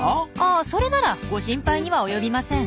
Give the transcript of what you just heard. あそれならご心配には及びません。